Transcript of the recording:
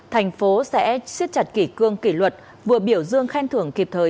thành phố sẽ siết chặt kỷ cương kỷ luật vừa biểu dương khen thưởng kịp thời